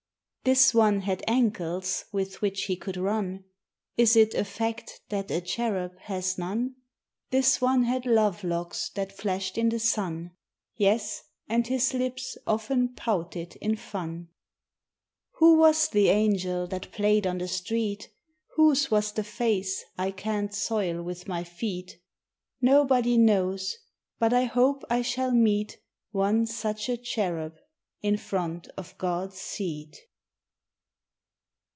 This one had ankles with which he could run— Is it a fact that a cherub has none? This one had love locks that flashed in the sun, Yes, and his lips often pouted in fun. Who was the angel that played on the street; Whose was the face I can't soil with my feet? Nobody knows; but I hope I shall meet One such a cherub in front of God's seat.